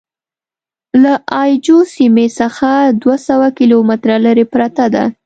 له اي جو سیمې څخه دوه سوه کیلومتره لرې پرته ده.